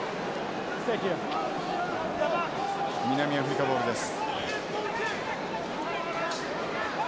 南アフリカボールです。